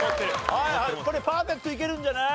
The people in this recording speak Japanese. これパーフェクトいけるんじゃない？